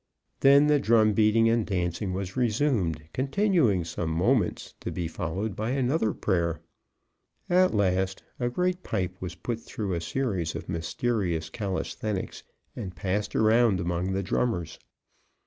Then the drum beating and dancing was resumed, continuing some moments, to be followed by another prayer. At last, a great pipe was put through a series of mysterious calisthenics, and passed around among the drummers.